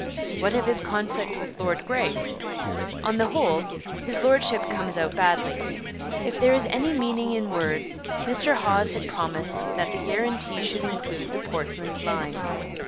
What of his conflict with Lord Grey? On the whole, his Lordship comes out badly. If there is any meaning in words, Mr Hawes had promised that the guarantee should include the Portland line.